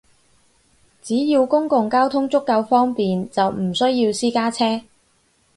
只要公共交通足夠方便，就唔需要私家車